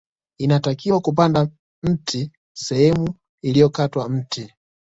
Inatakiwa kupanda mti sehemu iliyokatwa mti